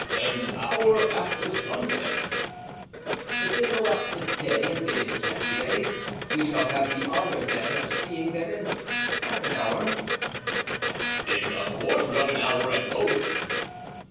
"An hour after sunset." "If they go out to day as they did yesterday we shall have the honor, then, of seeing them in half an hour?" "In a quarter of an hour at most."